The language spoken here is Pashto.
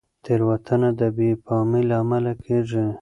تېروتنه د بې پامۍ له امله کېږي.